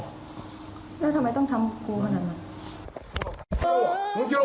โอ้โฮ